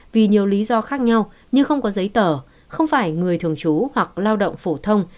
vì nhiều lý do khác nhau như không có giấy tờ không phải người thường trú hoặc lao động phổ thông